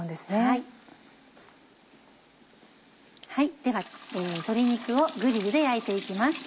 では鶏肉をグリルで焼いて行きます。